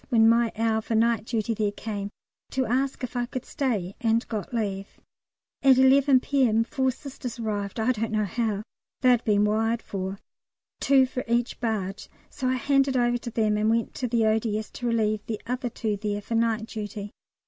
when my hour for night duty there came, to ask if I could stay, and got leave. At 11 P.M. four Sisters arrived (I don't know how they'd been wired for), two for each barge; so I handed over to them and went to the O.D.S. to relieve the other two there for night duty.